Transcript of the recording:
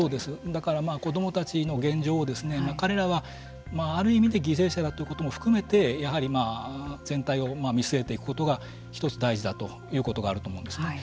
だから子どもたちの現状を彼らはある意味で犠牲者だということも含めてやはり全体を見据えていくことが一つ大事だということがあると思うんですね。